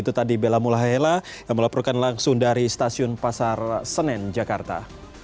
itu tadi bella mulahela yang melaporkan langsung dari stasiun pasar senen jakarta